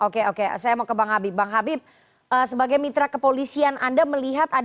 oke oke saya mau ke bang habib bang habib sebagai mitra kepolisian anda melihat